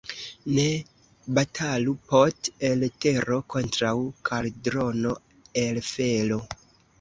Ne batalu pot' el tero kontraŭ kaldrono el fero.